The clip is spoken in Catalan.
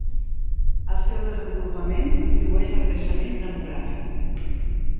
El seu desenvolupament s'atribueix al creixement demogràfic.